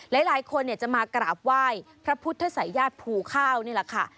หลายคนจะมากราบไหว้พระพุทธศัยญาติภูข้าวนี่แหละค่ะ